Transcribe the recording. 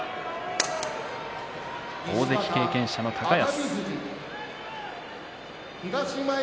大関経験者の高安。